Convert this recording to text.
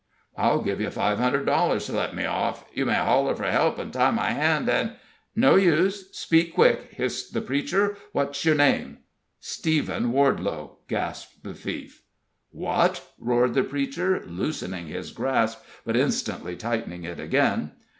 "I'll give you five hundred dollars to let me off you may holler for help and tie my hand, and " "No use speak quick," hissed the preacher "what's your name?" "Stephen Wardelow," gasped the thief. "What!" roared the preacher, loosening his grasp, but instantly tightening it again.